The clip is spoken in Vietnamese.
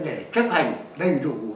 để chấp hành đầy đủ